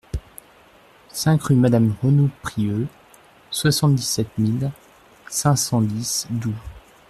cinq rue Madame Renoux Prieux, soixante-dix-sept mille cinq cent dix Doue